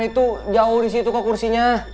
itu jauh disitu kok kursinya